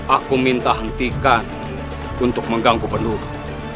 aku minta hentikan untuk mengganggu penuh